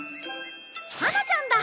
ハナちゃんだ！